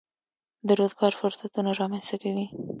د روزګار فرصتونه رامنځته کوي.